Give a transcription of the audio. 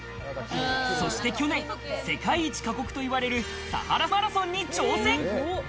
そして去年、世界一過酷といわれる、サハラマラソンに挑戦。